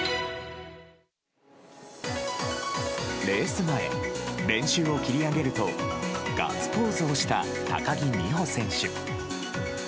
レース前、練習を切り上げるとガッツポーズをした高木美帆選手。